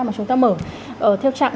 mà chúng ta mở theo chặng